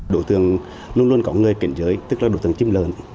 đối tượng luôn luôn có người kiện giới tức là đối tượng chiếm lợn